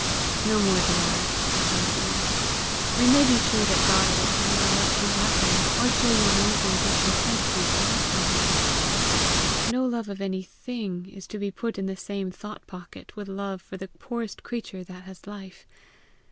"No more do I!" responded Ian. "We may be sure God will either let you have them, or show you reason to content you for not having them. No love of any thing is to be put in the same thought pocket with love for the poorest creature that has life.